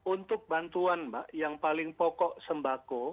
untuk bantuan mbak yang paling pokok sembako